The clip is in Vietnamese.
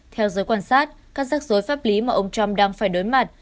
theo giới quan sát các rắc rối pháp lý mà ông trump đang phải đối mặt